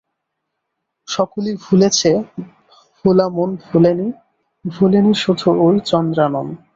– সকলি ভুলেছে ভোলা মন ভোলে নি ভোলে নি শুধু ওই চন্দ্রানন।